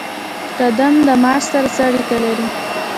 قدم د معاش سره څه اړیکه لري؟